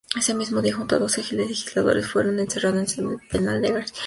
Ese mismo día, junto a doce legisladores fue encerrado en el penal García Moreno.